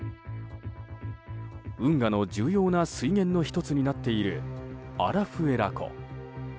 運河の重要な水源の１つになっているアラフエラ湖。